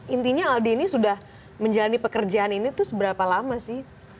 intinya aldi ini sudah menjalani pekerjaan ini tuh seberapa lama sih